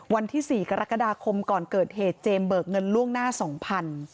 วันที่๔กรกฎาคมก่อนเกิดเหตุเจมส์เบิกเงินล่วงหน้าสองพัน